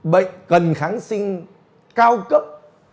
bệnh cần kháng sinh cao cấp